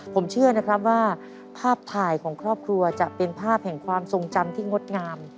ผมเชื่อนะครับว่าภาพถ่ายของครอบครัวจะเป็นภาพแห่งความทรงจำที่งดงาม